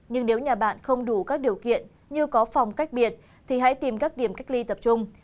nhưng nếu nhà bạn không đủ các điều kiện như có phòng cách biệt thì hãy tìm các điểm cách ly tập trung